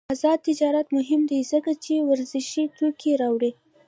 آزاد تجارت مهم دی ځکه چې ورزشي توکي راوړي.